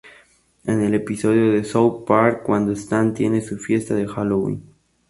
En el episodio de South Park cuando Satán tiene su "fiesta" de halloween.